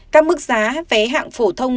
các mức giá vé hạng phổ thông